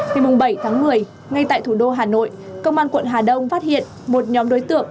ngày bảy tháng một mươi ngay tại thủ đô hà nội công an quận hà đông phát hiện một nhóm đối tượng